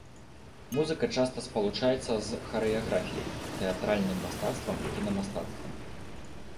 Музыка часта спалучаецца з харэаграфіяй, тэатральным мастацтвам, кіна-мастацтвам.